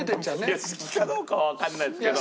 いや隙かどうかはわかんないですけど。